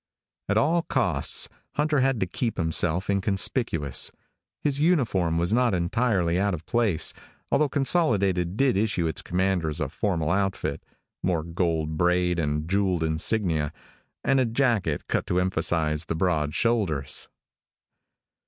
At all costs, Hunter had to keep himself inconspicuous. His uniform was not entirely out of place, although Consolidated did issue its commanders a formal outfit more gold braid, a jeweled insignia, and a jacket cut to emphasize the broad shoulders.